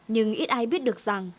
nhưng ít ai biết được rằng